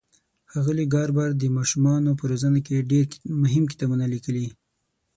ښاغلي ګاربر د ماشومانو په روزنه کې ډېر مهم کتابونه لیکلي.